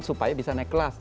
supaya bisa naik kelas